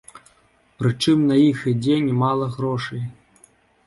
Прычым на іх ідзе нямала грошай.